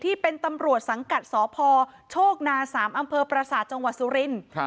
ที่เป็นตำรวจสังกัดสพโชคนา๓อำเภอประสาทจังหวัดสุรินทร์